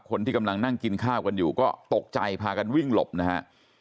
คนที่กำลังนั่งกินข้าวกันอยู่ก็ตกใจพากันวิ่งหลบนะฮะ